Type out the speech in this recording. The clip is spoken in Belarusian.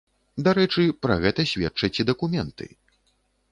Дарэчы, пра гэта сведчаць і дакументы.